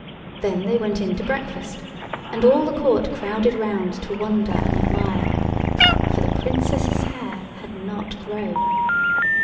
Then they went in to breakfast, and all the Court crowded round to wonder and admire. For the Princess's hair had not grown.